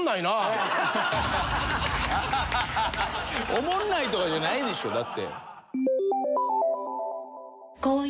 おもんないとかじゃないでしょだって。